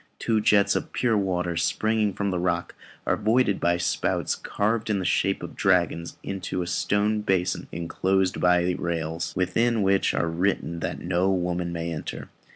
Two jets of pure water springing from the rock are voided by spouts carved in the shape of dragons into a stone basin enclosed by rails, within which it is written that "no woman may enter."